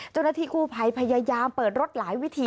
เจ้าหน้าที่กู้ภัยพยายามเปิดรถหลายวิธี